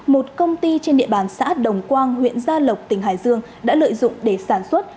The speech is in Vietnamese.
một công ty trên địa bàn xã đồng quang huyện gia lộc tỉnh hải dương đã lợi dụng để sản xuất